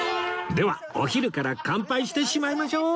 ではお昼から乾杯してしまいましょう！